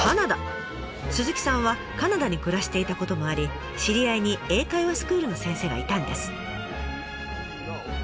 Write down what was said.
鈴木さんはカナダに暮らしていたこともあり知り合いに英会話スクールの先生がいたんです。